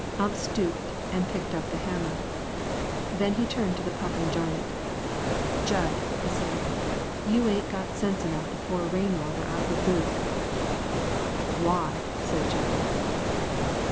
Ump stooped and picked up the hammer. Then he turned to the puffing giant. "Jud," he said, "you ain't got sense enough to pour rain water out of a boot." "Why?" said Jud.